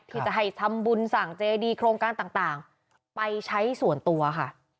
ที่จะให้ทำบุญสั่งเจดีโครงการต่างไปใช้ส่วนตัวค่ะ